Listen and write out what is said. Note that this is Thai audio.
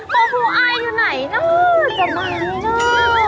โปรโฮอ้ายอยู่ไหนน่าจะมานี่น่า